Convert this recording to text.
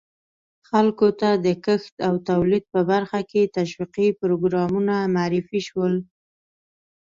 خلکو ته د کښت او تولید په برخه کې تشویقي پروګرامونه معرفي شول.